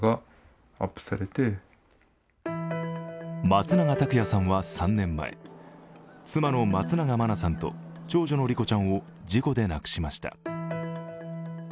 松永拓也さんは３年前、妻の松永真菜さんと長女の莉子ちゃんを事故で亡くしました。